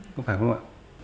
không phải không ạ